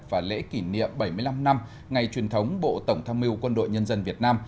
và lễ kỷ niệm bảy mươi năm năm ngày truyền thống bộ tổng tham mưu quân đội nhân dân việt nam